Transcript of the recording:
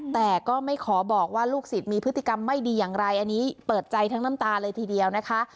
แต่ก็ไม่ขอบอกว่าลูกศิษย์มีพฤติกรรมไม่ดีอย่างไรอันนี้เปิดใจทั้งน้ำตาเลยทีเดียวนะคะ